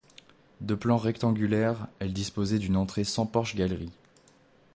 De plan rectangulaire, elle disposait d'une entrée sans porche-galerie.